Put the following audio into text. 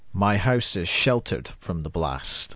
My house is sheltered from the blast.